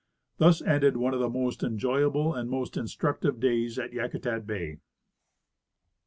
Thus ended one of the most enjoyable and most instructive clays at Yakutat bay.